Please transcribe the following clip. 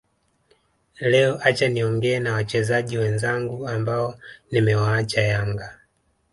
Leo acha niongee na wachezaji wenzangu ambao nimewaacha Yanga